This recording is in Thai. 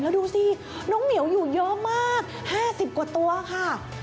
แล้วดูสิน้องเหมียวอยู่เยอะมาก๕๐กว่าตัวค่ะ